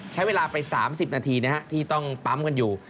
ใช้เวลาไป๓๐นาทีที่ต้องปั๊มกันอยู่